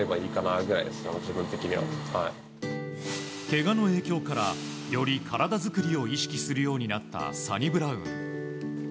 けがの影響からより体作りを意識するようになったサニブラウン。